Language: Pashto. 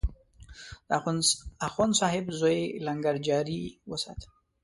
د اخندصاحب زوی لنګر جاري وسات.